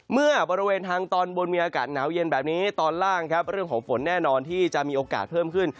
เมื่อบริเวณทางตอนบนมีอากาศหนาวเย็นแบบนี้ตอนล่างครับเรื่องของฝนแน่นอนที่จะมีโอกาสเพิ่มขึ้น